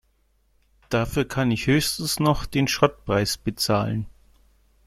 Dafür kann ich höchstens noch den Schrottpreis bezahlen.